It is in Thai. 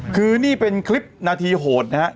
คือนี่เป็นคลิปนาทีโหดนะฮะ